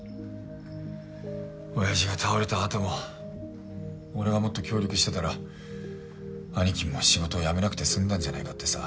親父が倒れた後も俺がもっと協力してたら兄貴も仕事を辞めなくてすんだんじゃないかってさ。